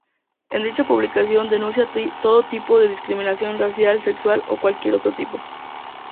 En dicha publicación denuncia todo tipo de discriminación racial, sexual o cualquier otro tipo.